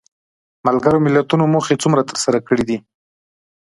ملګرو ملتونو موخې څومره تر سره کړې دي؟